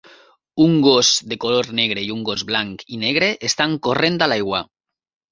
Un gos de color negre i un gos blanc i negre estan corrent a l'aigua.